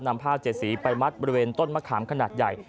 นำผ้าเจ็ดสีไปมัดบริเวณต้นมะขามขนาดใหญ่